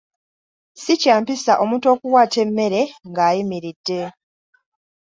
Si kya mpisa omuntu okuwaata emmere nga ayimiridde.